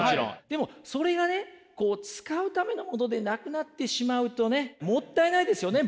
でもそれがね使うためのものでなくなってしまうとねもったいないですよね